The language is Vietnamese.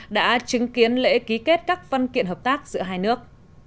đã chứng kiến lễ ký kết các văn kiện hợp tác giữa hai nước